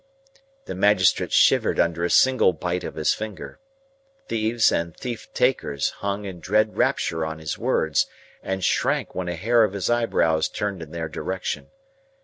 The magistrates shivered under a single bite of his finger. Thieves and thief takers hung in dread rapture on his words, and shrank when a hair of his eyebrows turned in their direction.